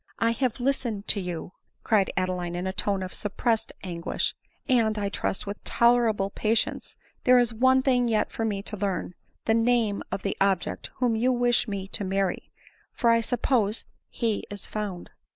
" I have listened to you," cried Adeline in a tone of suppressed anguish, " and, I trust, with tolerable patience ; there is one thing yet for me to learn — the name of the object whom you wish me to marry, for I suppose he is found."